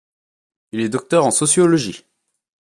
Il est docteur en sociologie.